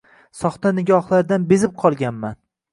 Soxta nigohlardan bezib qolganman